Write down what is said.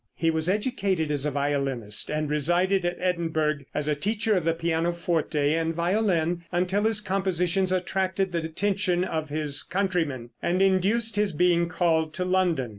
He was educated as a violinist, and resided at Edinburgh as a teacher of the pianoforte and violin until his compositions attracted the attention of his countrymen and induced his being called to London.